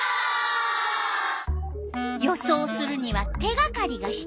予想をするには手がかりがひつようなの。